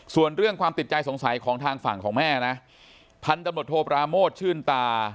ส่วนเรื่องความติดใจสงสัยของทางฝั่งของแม่นะพันธุ์ตำรวจโทปราโมทชื่นตา